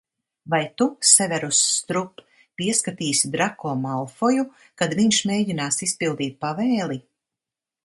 Vai tu, Severus Strup, pieskatīsi Drako Malfoju, kad viņš mēģinās izpildīt pavēli?